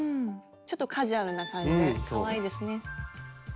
ちょっとカジュアルな感じでかわいいですね。